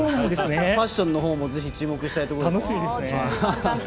ファッションのほうもぜひ注目したいです。